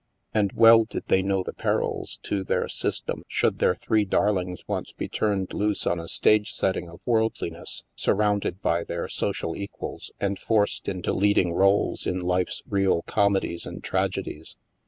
And well did they know the perils to their " system " should their three darlings once be turned loose on a stage setting of worldliness, surrounded by their social equals, and forced into leading roles in life's real comedies and tragedies.